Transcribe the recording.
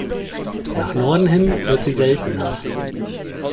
Nach Norden hin wird sie seltener.